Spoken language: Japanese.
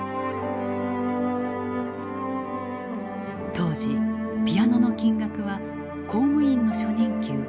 当時ピアノの金額は公務員の初任給８か月分。